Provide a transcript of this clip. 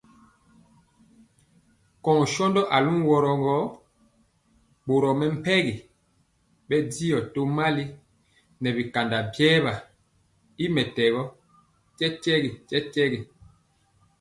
Kɔɔ shondɔ aluworo gɔ, boro mɛmpegi bɛndiɔ tomali nɛ bikanda biwa y mɛtɛgɔ tyetye.